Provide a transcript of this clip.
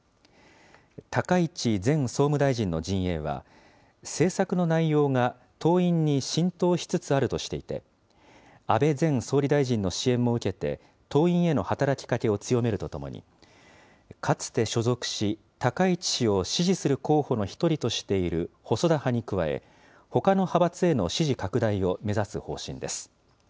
高市前総務大臣の陣営は、政策の内容が党員に浸透しつつあるとしていて、安倍前総理大臣の支援も受けて、党員への働きかけを強めるとともに、かつて所属し、高市氏を支持する候補の一人としている細田派に加え、ほかの派閥への支持拡大を目指す方針です。